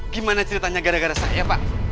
gimana ceritanya gara gara saya pak